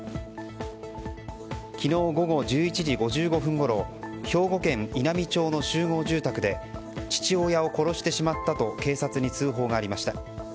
昨日午後１１時５５分ごろ兵庫県稲美町の集合住宅で父親を殺してしまったと警察に通報がありました。